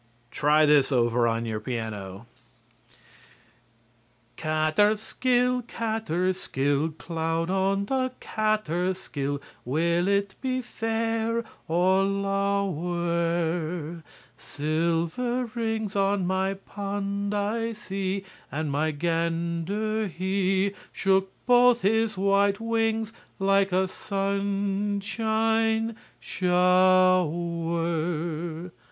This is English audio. Try this over on your piano: _Kaaterskill, Kaaterskill, Cloud on the Kaaterskill! Will it be fair, or lower? Silver rings On my pond I see; And my gander he Shook both his white wings Like a sunshine shower_.